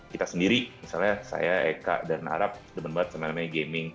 kita sendiri misalnya saya eka dan arab demen banget sama namanya gaming